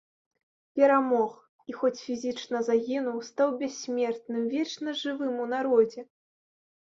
Перамог і, хоць фізічна загінуў, стаў бяссмертным, вечна жывым у народзе.